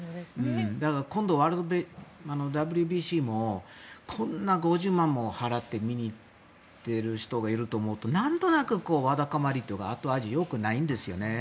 だから今度、ＷＢＣもこんな５０万も払って見に行ってる人がいると思うとなんとなく、わだかまりというか後味よくないんですよね。